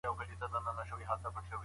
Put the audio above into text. هر څوک باید د نورو عزت خوندي کړي.